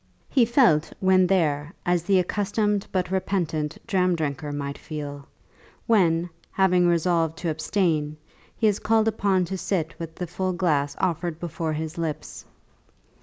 He felt when there as the accustomed but repentant dram drinker might feel, when having resolved to abstain, he is called upon to sit with the full glass offered before his lips.